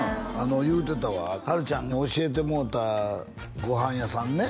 言うてたわはるちゃんに教えてもろたご飯屋さんね